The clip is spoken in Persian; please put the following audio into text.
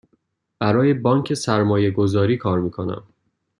برای بانک سرمایه گذاری کار می کنم.